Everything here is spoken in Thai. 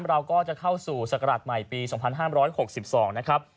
เราก็จะเข้าสู่ศักรรถใหม่ปีสองพันห้ามร้อยหกสิบสองนะครับ